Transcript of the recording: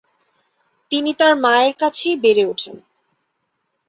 তিনি তার মায়ের কাছেই বেড়ে ওঠেন।